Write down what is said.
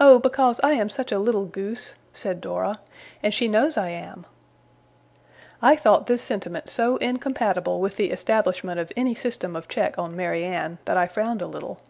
'Oh, because I am such a little goose,' said Dora, 'and she knows I am!' I thought this sentiment so incompatible with the establishment of any system of check on Mary Anne, that I frowned a little.